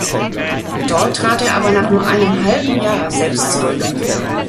Dort trat er aber nach nur einem halben Jahr selbst zurück.